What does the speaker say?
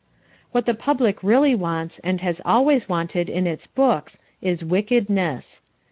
What the public really wants and has always wanted in its books is wickedness.